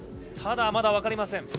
ただ、まだ分かりません。